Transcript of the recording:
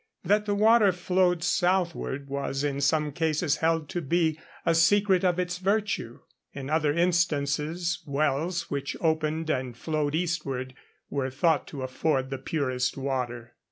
That the water flowed southward was in some cases held to be a secret of its virtue. In other instances, wells which opened and flowed eastward were thought to afford the purest water.